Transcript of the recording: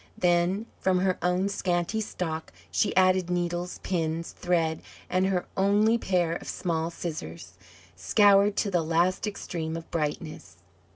Then from her own scanty stock she added needles, pins, thread, and her only pair of small scissors, scoured to the last extreme of brightness.